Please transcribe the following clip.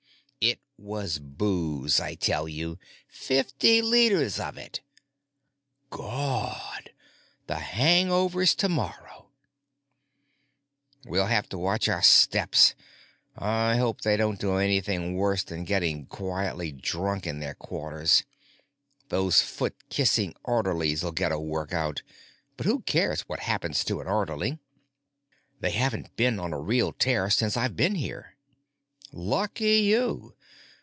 It was booze, I tell you. Fifty liters of it." "Gawd! The hangovers tomorrow." "We'll all have to watch our steps. I hope they don't do anything worse than getting quietly drunk in their quarters. Those foot kissing orderlies'll get a workout, but who cares what happens to an orderly?" "They haven't been on a real tear since I've been here." "Lucky you.